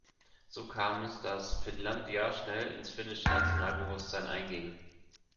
So kam es, dass „Finlandia“ schnell ins finnische Nationalbewusstsein einging.